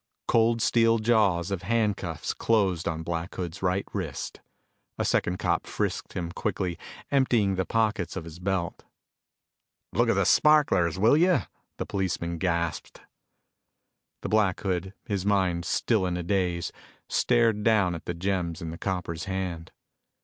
Cold steel jaws of handcuffs closed on Black Hood's right wrist. A second cop frisked him quickly, emptying the pockets of his belt. "Look at the sparklers, will you!" the policeman gasped. And Black Hood, his mind still in a daze, stared down at the gems in the copper's hand.